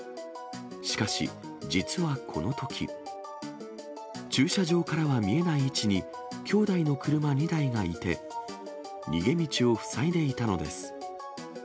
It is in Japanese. しかし、実はこのとき、駐車場からは見えない位置に、兄弟の車２台がいて、逃げ道を塞いでいたのです。